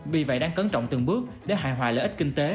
vì vậy đang cấn trọng từng bước để hại hoại lợi ích kinh tế